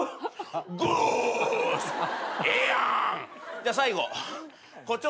じゃあ最後。